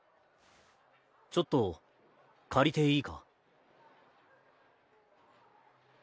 ちょっと借りていいか？